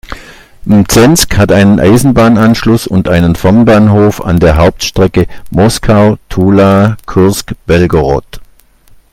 Mzensk hat einen Eisenbahnanschluss und einen Fernbahnhof an der Hauptstrecke Moskau–Tula–Kursk–Belgorod.